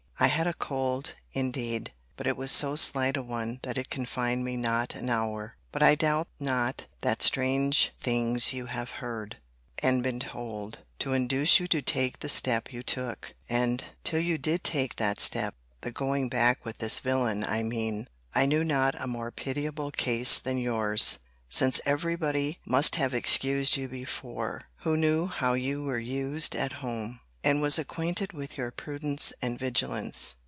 I had a cold, indeed; but it was so slight a one that it confined me not an hour. But I doubt not that strange things you have heard, and been told, to induce you to take the step you took. And, till you did take that step (the going back with this villain, I mean,) I knew not a more pitiable case than your's: since every body must have excused you before, who knew how you were used at home, and was acquainted with your prudence and vigilance.